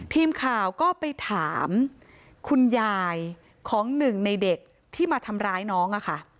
ทีมข่าวก็ไปถามคุณยายของหนึ่งในเด็กที่มาทำร้ายน้องอะค่ะ